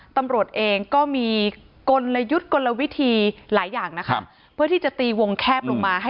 ตำรวจเองก็มีกลยุทธ์กลวิธีหลายอย่างนะครับ